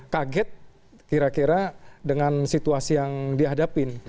kaget kira kira dengan situasi yang dihadapin